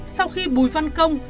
sau khi bùi văn công